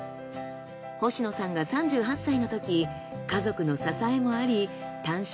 星野さんが３８歳のとき家族の支えもあり単身